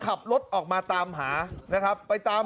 การนอนไม่จำเป็นต้องมีอะไรกัน